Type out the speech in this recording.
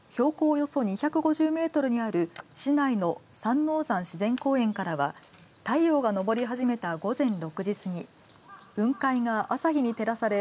およそ２５０メートルにある市内の三王山自然公園からは太陽が昇り始めた午前６時過ぎ雲海が朝日に照らされ